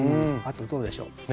あとどうでしょう。